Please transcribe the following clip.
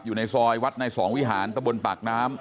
อยู่ในซอยวัดในสองวิหารตะบนปากน้ำ